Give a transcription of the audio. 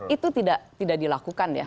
itu tidak dilakukan ya